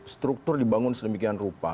struktur dibangun sedemikian rupa